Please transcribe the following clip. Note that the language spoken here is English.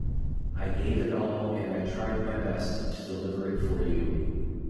I gave it my all and I tried my best to deliver for you.